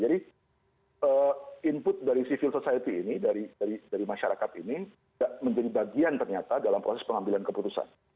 jadi input dari civil society ini dari masyarakat ini tidak menjadi bagian ternyata dalam proses pengambilan keputusan